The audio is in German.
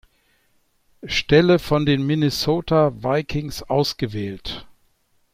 Stelle von den Minnesota Vikings ausgewählt.